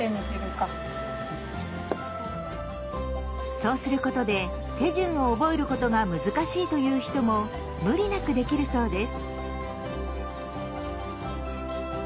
そうすることで手順を覚えることが難しいという人も無理なくできるそうです。